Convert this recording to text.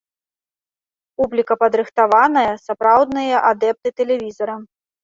Публіка падрыхтаваная, сапраўдныя адэпты тэлевізара.